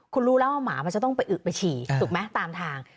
คุณรู้แล้วว่าหมามันจะต้องไปอึกไปฉี่ถูกไหมตามทาง